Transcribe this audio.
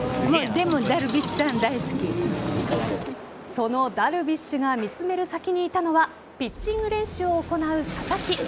そのダルビッシュが見つめる先にいたのはピッチング練習を行う佐々木。